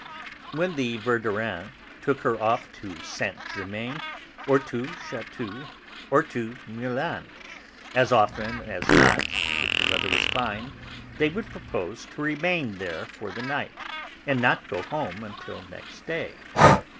When the Verdurins took her off to Saint Germain, or to Chatou, or to Meulan, as often as not, if the weather was fine, they would propose to remain there for the night, and not go home until next day.